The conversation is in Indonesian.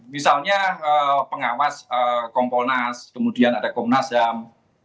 misalnya pengawas kompolnas kemudian ada komnas ham